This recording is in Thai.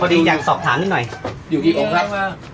อยู่ตรงไหนครับจะจะตามดูคือครับ